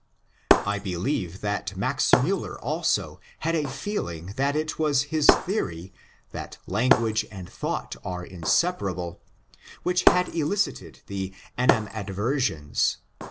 " I believe that Max Miiller also had a feeling that it was his theory (that language and thought are inseparable) which had elicited the animadversions.